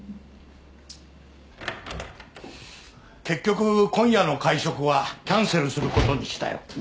結局今夜の会食はキャンセルすることにしたよ。